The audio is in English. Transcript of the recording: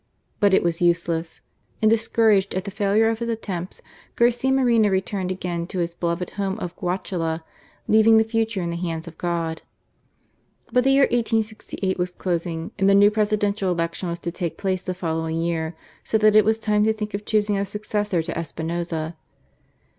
But it was useless : and dis couraged at the failure of his attempts, Garcia Moreno returned again to his beloved home of Guachala, leaving the future in the hands of God. But the year 1868 was closing, and the new Pre sidential Election was to take place the following year, so that it was time to think of choosing a successor to Espinoza.